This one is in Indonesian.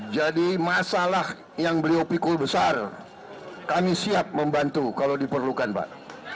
jadi masalah yang beliau pikul besar kami siap membantu kalau diperlukan pak